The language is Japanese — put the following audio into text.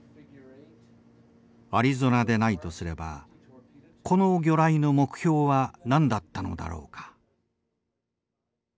アリゾナでないとすればこの魚雷の目標は何だったのだろうか。